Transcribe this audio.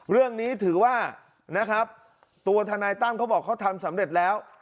เรื่องนี้ถือว่านะครับตัวทนายตั้มเขาบอกเขาทำสำเร็จแล้ว